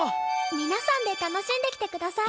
皆さんで楽しんできてください。